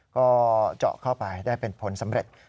ก็เจาะเข้าไปได้เป็นผลสำเร็จ